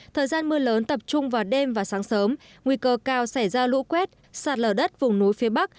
thời gian mưa lớn tập trung vào đêm và sáng sớm nguy cơ cao xảy ra lũ quét sạt lở đất vùng núi phía bắc